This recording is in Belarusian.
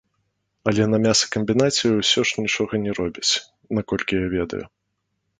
Але на мясакамбінаце ўсё ж нічога не робяць, наколькі я ведаю.